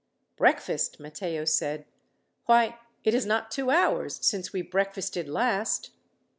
"Breakfast!" Matteo said. "Why, it is not two hours since we breakfasted last."